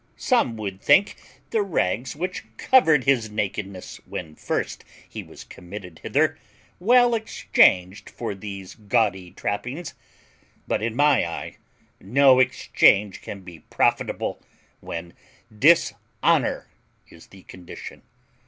Some would think the rags which covered his nakedness when first he was committed hither well exchanged for these gaudy trappings; but in my eye no exchange can be profitable when dishonour is the condition.